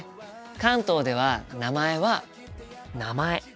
関東では名前は「名前」。